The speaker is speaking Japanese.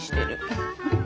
フフフフ。